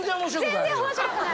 全然面白くない。